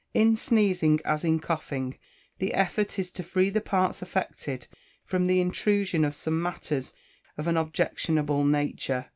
In sneezing, as in coughing, the effort is to free the parts affected from the intrusion of some matters of an objectionable nature.